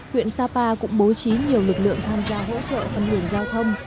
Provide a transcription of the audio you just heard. huyện sapa cũng bố trí nhiều lực lượng tham gia hỗ trợ phân hủy giao thông